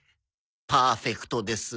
パーフェクトです。